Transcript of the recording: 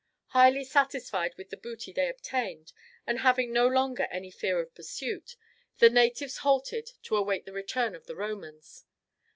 Highly satisfied with the booty they obtained, and having no longer any fear of pursuit, the natives halted to await the return of the Romans.